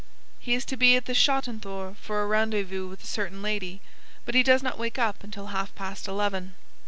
He is to be at the Schottenthor for a rendezvous with a certain lady, but he does not wake up until half past eleven.